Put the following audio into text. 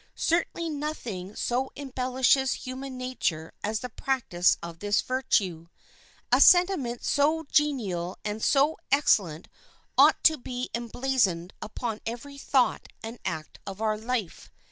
Certainly nothing so embellishes human nature as the practice of this virtue; a sentiment so genial and so excellent ought to be emblazoned upon every thought and act of our life.